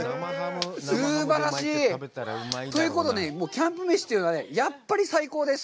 すばらしい！ということで、もうキャンプ飯というのはやっぱり最高です！